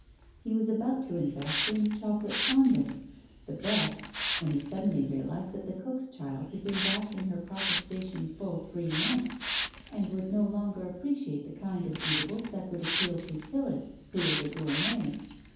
He was about to invest in choco late fondants, the best, when he suddenly realized that T2 Digitized by Google 276 TALES OF THE UNEASY the cook's child had been back in her proper station full three months, and would no longer appreciate the kind of eatables that would appeal to Phillis, who was a gourmet.